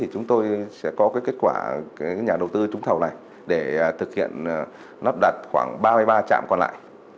chúng tôi sẽ có kết quả nhà đầu tư trúng thầu này để thực hiện lắp đặt khoảng ba mươi ba trạm còn lại